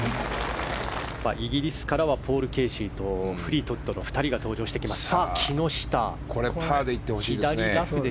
イギリスからはポール・ケーシーとフリートウッドの２人が登場してきました。